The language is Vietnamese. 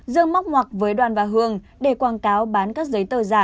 dương móc ngoặc với đoàn và hương để quảng cáo bán các giấy tờ giả